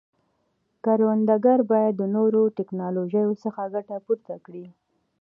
کروندګر باید د نوو ټکنالوژیو څخه ګټه پورته کړي.